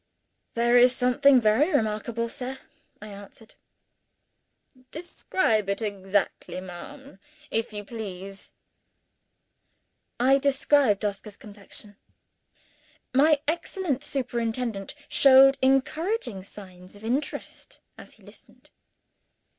"There is something very remarkable, sir," I answered. "Describe it exactly, ma'am, if you please." I described Oscar's complexion. My excellent superintendent showed encouraging signs of interest as he listened.